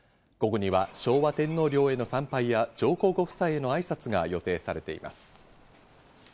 午後には昭和天皇陵への参拝や上皇ご夫妻への挨拶が予定されています。